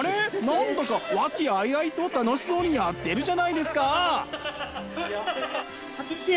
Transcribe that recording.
何だか和気あいあいと楽しそうにやってるじゃないですか！